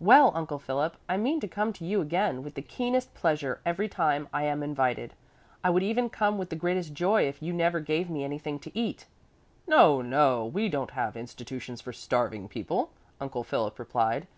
"Well, Uncle Philip, I mean to come to you again with the keenest pleasure every time I am invited. I would even come with the greatest joy if you never gave me anything to eat." "No, no, we don't have institutions for starving people," Uncle Philip replied.